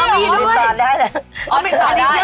ก็มีบริสัทได้